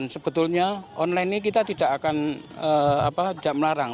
sebetulnya online ini kita tidak akan melarang